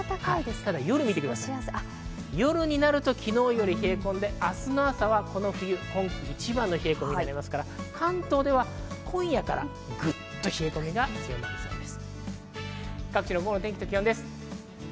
ただ夜見てください、夜になると昨日より冷え込んで明日の朝は今季一番の冷え込みになりますから、関東では今夜からぐっと冷え込みが強まりそうです。